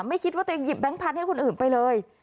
ไม่คิดว่าตัวเองหยิบแบงค์พันธุ์ให้คนอื่นไปเลย